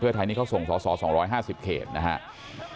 เพื่อไทยนี่เขาส่งสอสอ๒๕๐เขตนะครับ